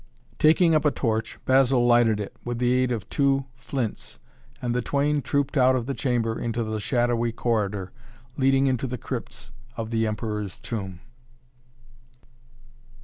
Taking up a torch, Basil lighted it with the aid of two flints and the twain trooped out of the chamber into the shadowy corridor leading into the crypts of the Emperor's Tomb.